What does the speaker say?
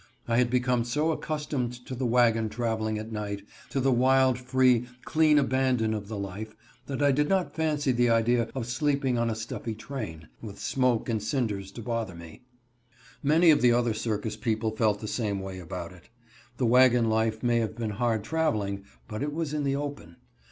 I had become so accustomed to the wagon traveling at night, to the wild, free, clean abandon of the life, that I did not fancy the idea of sleeping on a stuffy train, with smoke and cinders to bother me. Many of the other circus people felt the same way about it. The wagon life may have been hard traveling, but it was in the open.